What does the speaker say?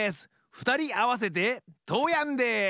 ふたりあわせてトーヤンです！